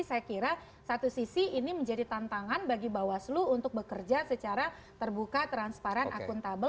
saya kira satu sisi ini menjadi tantangan bagi bawaslu untuk bekerja secara terbuka transparan akuntabel